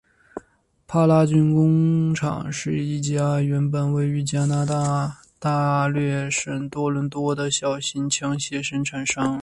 帕拉军工厂是一家原本位于加拿大安大略省多伦多的小型枪械生产商。